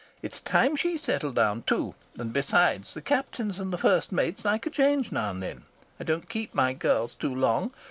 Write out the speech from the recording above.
It's time she settled down too, and besides, the captains and the first mates like a change now and then. I don't keep my girls too long.